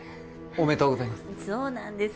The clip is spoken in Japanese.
おめでとうございます。